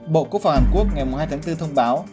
bộ quốc phòng hàn quốc ngày hai tháng bốn thông báo